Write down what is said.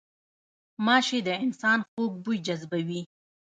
غوماشې د انسان خوږ بوی جذبوي.